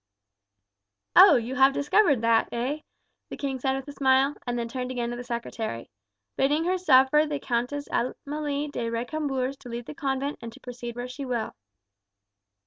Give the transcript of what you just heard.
"Oh! you have discovered that, eh?" the king said with a smile; and then turned again to the secretary "bidding her suffer the Countess Amelie de Recambours to leave the convent and to proceed where she will."